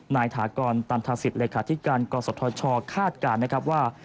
นายถากรตามทราศิษฐ์เลยค่ะที่การกษทชคาดการณ์นะครับว่า